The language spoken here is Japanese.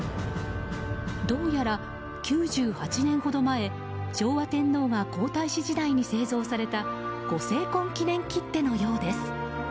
どうやら９８年ほど前昭和天皇が皇太子時代に製造された御成婚記念切手のようです。